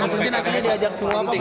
abis ini apakah diajak semua pak presiden